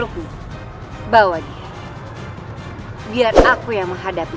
hai siapakah aku adalah dewi